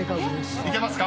［いけますか？